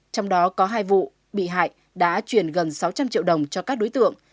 trong đó có hai vụ bị hại đã chuyển gần sáu trăm linh triệu đồng cho các đối tượng